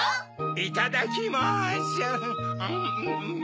いただきます。